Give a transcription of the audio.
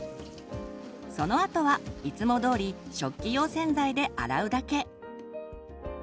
そのあとはいつもどおり食器用洗剤で洗うだけ。